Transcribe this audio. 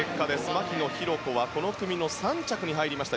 牧野紘子はこの組の３着に入りました。